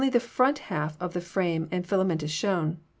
the front half of the frame and filament is shown.